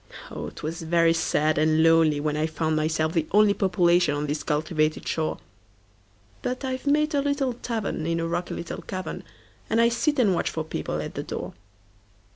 Oh! 'twas very sad and lonelyWhen I found myself the onlyPopulation on this cultivated shore; But I've made a little tavernIn a rocky little cavern, And I sit and watch for people at the door.